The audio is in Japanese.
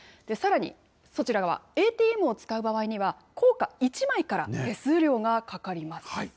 さらにそちら側、ＡＴＭを使う場合には、硬貨１枚から手数料がかかります。